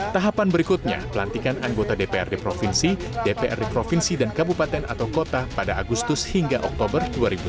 tahapan berikutnya pelantikan anggota dprd provinsi dprd provinsi dan kabupaten atau kota pada agustus hingga oktober dua ribu tujuh belas